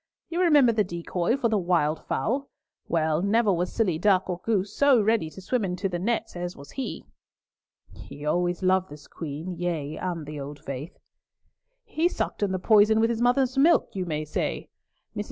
You remember the decoy for the wild fowl? Well, never was silly duck or goose so ready to swim into the nets as was he!" "He always loved this Queen, yea, and the old faith." "He sucked in the poison with his mother's milk, you may say. Mrs.